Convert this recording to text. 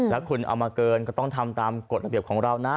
แล้วคุณเอามาเกินก็ต้องทำตามกฎระเบียบของเรานะ